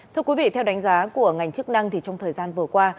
thưa quý vị theo đánh giá của ngành chức năng thì trong thời gian vừa qua